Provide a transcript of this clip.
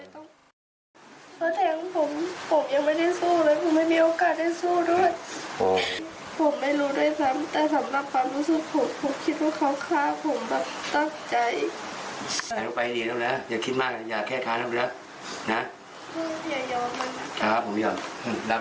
ขอบคุณครับครับผมขอบคุณครับ